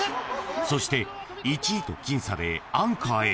［そして１位と僅差でアンカーへ。